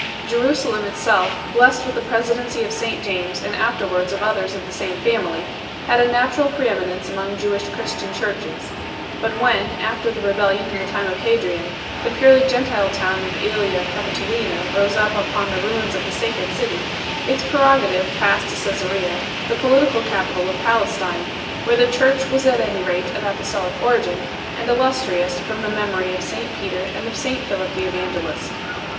Jerusalem itself, blessed with the presidency of St James and afterwards of others of the same family, had a natural preeminence among Jewish Christian churches 3 . But when, after the rebellion in the time of Hadrian, the purely Gentile town of ^Elia Capitolina rose upon the ruins of the sacred city 4 . its prerogative passed to Csesarea, the political capital of Palestine, where the church was at any rate of apostolic origin, and illustrious from the memory of St Peter and of St Philip the Evangelist.